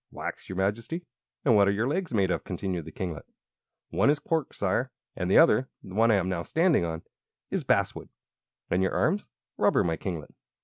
"Wax, your Majesty." "And what are your legs made of?" continued the kinglet. "One is cork, Sire, and the other the one I am now standing on is basswood." "And your arms?" "Rubber, my kinglet."